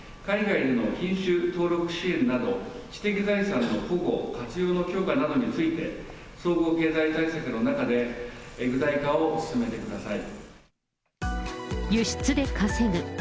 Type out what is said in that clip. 海外での品種登録支援など、知的財産の保護、活用の強化などについて、総合経済対策の中で、具体化を進めてください。